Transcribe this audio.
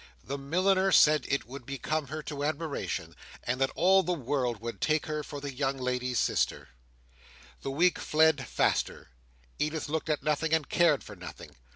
The milliner said it would become her to admiration, and that all the world would take her for the young lady's sister. The week fled faster. Edith looked at nothing and cared for nothing.